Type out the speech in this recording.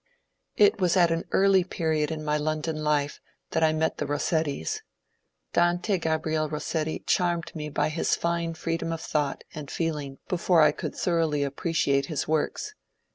It was at an early period in my London life that I met the Bossettis. Dante Gabriel Rossetti charmed me by his fine freedom of thought and feeling before I could thoroughly ap preciate his works.